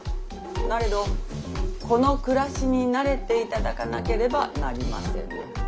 なれどこの暮らしに慣れていただかなければなりません。